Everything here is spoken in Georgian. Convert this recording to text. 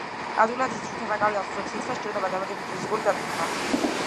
ადვილად იწვრთნება, კარგად უძლებს სიცხეს, სჭირდება დამატებითი ფიზიკური დატვირთვა.